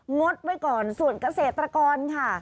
ดไว้ก่อนส่วนเกษตรกรค่ะ